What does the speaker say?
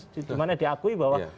dimana diakui bahwa